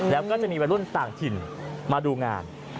แล้วก็จะมีวัยรุ่นต่างถิ่นมาดูงาน